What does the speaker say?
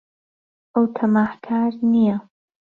ئەو تەماحکار نییە.